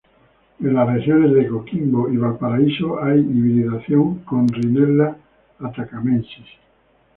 En las regiones de Coquimbo y Valparaíso hay hibridación con "Rhinella atacamensis".